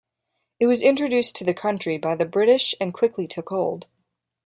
It was introduced to the country by the British and quickly took hold.